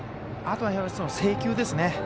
あとは、制球ですね。